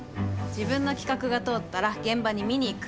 自分の企画が通ったら現場に見に行く。